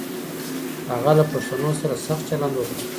هغه له پښتنو سره سخت چلند وکړ